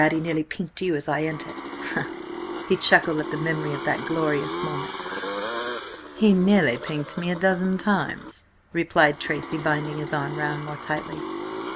he nearly pinked you as I entered!" He chuckled at the memory of that glorious moment. "He nearly pinked me a dozen times," replied Tracy, binding his arm round more tightly.